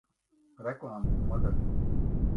Reklāmas nodaļa